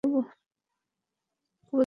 কবুতরটা আসলে তোমাকে দেখাবো।